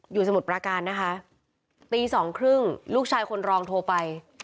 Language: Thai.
สมุทรปราการนะคะตีสองครึ่งลูกชายคนรองโทรไป